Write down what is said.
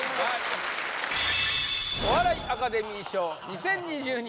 お笑いアカデミー賞２０２２